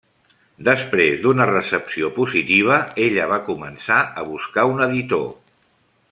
Després d'una recepció positiva, ella va començar a buscar un editor.